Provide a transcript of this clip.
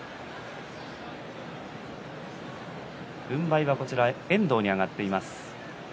軍配は遠藤に上がっています。